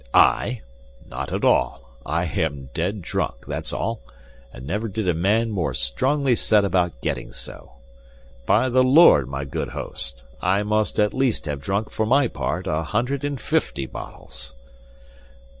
"I! Not at all. I am dead drunk, that's all, and never did a man more strongly set about getting so. By the Lord, my good host! I must at least have drunk for my part a hundred and fifty bottles."